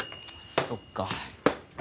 そっか。